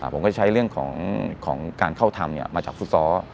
ผมก็จะใช้เรื่องของการเข้าทำมาจากฟุตซอล